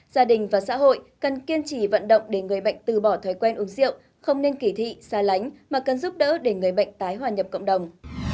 gia đình và xã hội cần kiên trì vận động để người bệnh từ bỏ thói quen uống rượu không nên kỳ thị xa lánh mà cần giúp đỡ để người bệnh tái hòa nhập cộng đồng